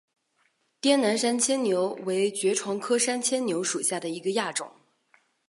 滇南山牵牛为爵床科山牵牛属下的一个亚种。